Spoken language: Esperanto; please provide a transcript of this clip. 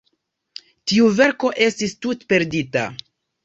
Tiu verko estis tute perdita!